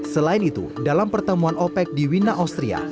selain itu dalam pertemuan opec di wina austria